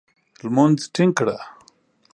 لمونځ ټینګ کړه !